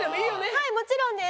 はいもちろんです。